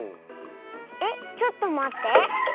えっちょっとまって。